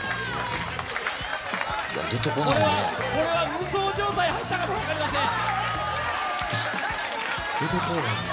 これは無双状態入ったかもしれません。